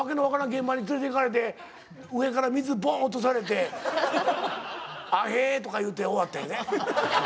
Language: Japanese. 現場に連れて行かれて上から水ボーン落とされて「あへ」とか言うて終わったよね。